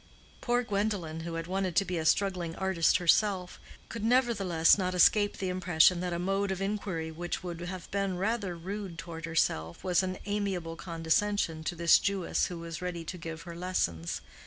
Poor Gwendolen, who had wanted to be a struggling artist herself, could nevertheless not escape the impression that a mode of inquiry which would have been rather rude toward herself was an amiable condescension to this Jewess who was ready to give her lessons.